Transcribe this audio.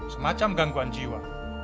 semacam gangguan jiwa